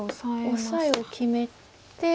オサエを決めて。